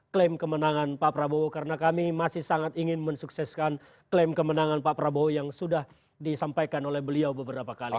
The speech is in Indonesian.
klaim kemenangan pak prabowo karena kami masih sangat ingin mensukseskan klaim kemenangan pak prabowo yang sudah disampaikan oleh beliau beberapa kali